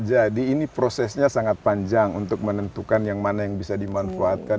jadi ini prosesnya sangat panjang untuk menentukan yang mana yang bisa dimanfaatkan